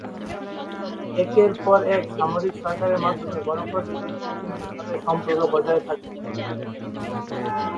একের পর এক সামরিক সরকারের মাধ্যমে গণপ্রজাতন্ত্রী চীনের সাথে সম্পর্ক বজায় থাকে।